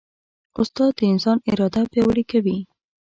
استاد د انسان اراده پیاوړې کوي.